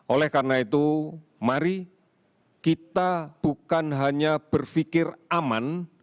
oleh karena itu mari kita bukan hanya berpikir aman